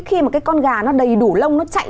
khi mà cái con gà nó đầy đủ lông nó chạy